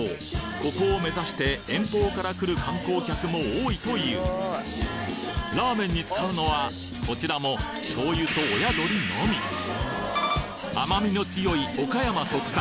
ここを目指して遠方から来る観光客も多いというラーメンに使うのはこちらも醤油と親鶏のみ甘みの強い岡山特産